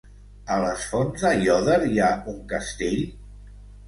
A les Fonts d'Aiòder hi ha un castell?